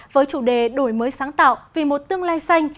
với chủ đề đổi mới sáng tạo vì một tương lai xanh